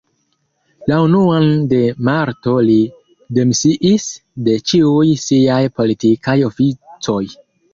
La unuan de marto li demisiis de ĉiuj siaj politikaj oficoj.